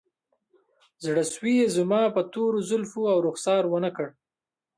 زړسوی یې زما په تورو زلفو او رخسار ونه کړ